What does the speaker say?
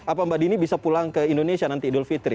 apa mbak dini bisa pulang ke indonesia nanti idul fitri